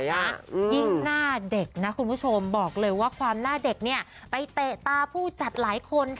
ยิ่งน่าเด็กว่าความน่าเด็กไปเตะตาผู้จัดหลายคน